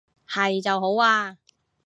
係就好啊